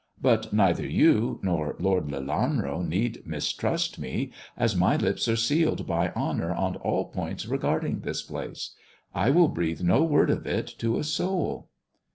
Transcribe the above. But neither you nor Lord Lelanro need mistrust me, as my lips are sealed by honour on all points regarding this place. I will breathe no word of it to a soul."